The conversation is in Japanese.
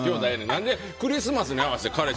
何で、クリスマスに合わせて。